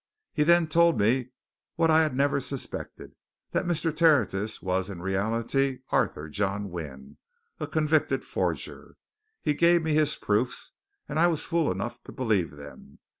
He then told me what I had never suspected that Mr. Tertius was, in reality, Arthur John Wynne, a convicted forger. He gave me his proofs, and I was fool enough to believe them.